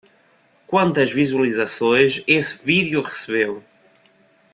Quantas visualizações esse vídeo recebeu?